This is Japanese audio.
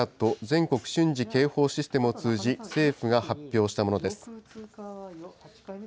・全国瞬時警報システムを通じ、政府が発表したものです。